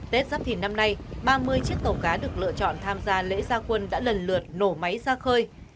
tết giáp thìn năm nay ba mươi chiếc tàu cá được lựa chọn tham gia lễ gia quân đã lần lượt nổ máy ra khơi